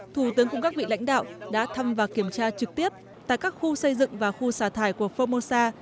thủ tướng cũng các vị lãnh đạo đã thăm và kiểm tra trực tiếp tại các khu xây dựng và khu xà thải của phongmosa